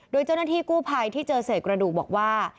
โดยเจ้าหน้าที่กู้ภัยที่เจอเศษกระดูกบอกว่า